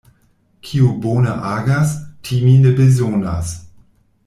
Kiu bone agas, timi ne bezonas.